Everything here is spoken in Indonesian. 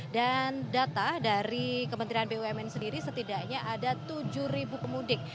dan data dari kementerian bumn sendiri setidaknya ada tujuh kemudik